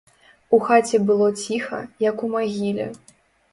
У хаце было ціха, як у магіле.